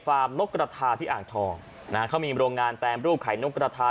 นกกระทาที่อ่างทองนะฮะเขามีโรงงานแปรรูปไข่นกกระทา